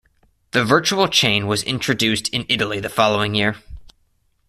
The virtual chain was introduced in Italy the following year.